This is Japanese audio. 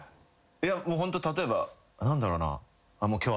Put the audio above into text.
いやホント例えば何だろうな。